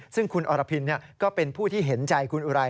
ซึ่งคุณอรพินก็เป็นผู้ที่เห็นใจคุณอุไร